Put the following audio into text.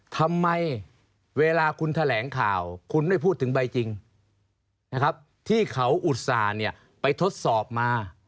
ทำไมเวลาคุณแถลงข่าวคุณไม่พูดถึงใบจริงนะครับที่เขาอุตส่าห์ไปทดสอบมา